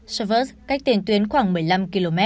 severz cách tiền tuyến khoảng một mươi năm km